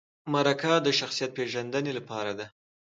مرکه د شخصیت پیژندنې لپاره ده